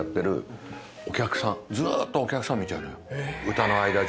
歌の間中。